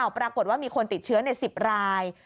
ปรากฏว่ามีคนติดเชื้อ๑๐ราย